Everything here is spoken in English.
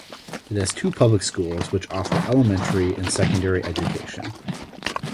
It has two public schools which offer elementary and secondary education.